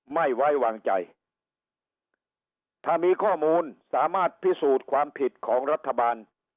ไม่ไว้วางใจถ้ามีข้อมูลสามารถพิสูจน์ความผิดของรัฐบาล